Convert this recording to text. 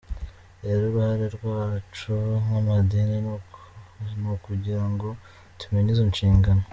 Rero uruhare rwacu nk’amadini ni ukugira ngo tumenye izo nshingano.